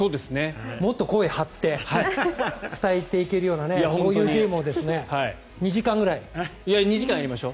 もっと声を張って伝えていけるようなそういうゲームを２時間やりましょう。